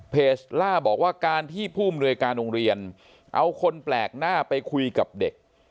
ล่าบอกว่าการที่ผู้อำนวยการโรงเรียนเอาคนแปลกหน้าไปคุยกับเด็ก